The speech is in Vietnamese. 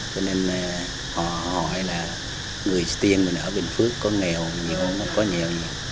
cho nên họ hỏi là người tiên mình ở bình phước có nghèo không có nghèo gì